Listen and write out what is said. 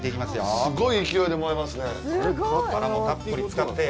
すごい。